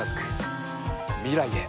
未来へ。